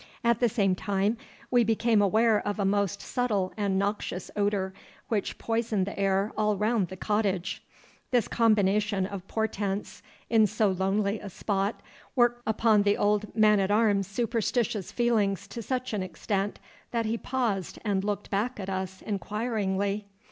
At the same time we became aware of a most subtle and noxious odour which poisoned the air all round the cottage. This combination of portents in so lonely a spot worked upon the old man at arms' superstitious feelings to such an extent that he paused and looked back at us inquiringly.